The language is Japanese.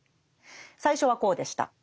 最初はこうでした。